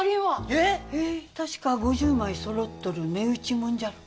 えっ確か５０枚揃っとる値打ちもんじゃろ？